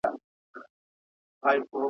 کلونه کېږي د بلا په نامه شپه ختلې!